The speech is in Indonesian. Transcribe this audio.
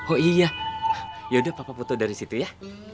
oh iya ya udah papa foto dari situ ya